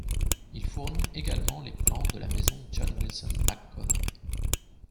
Il fournit également les plans de la maison John-Wilson-McConnell.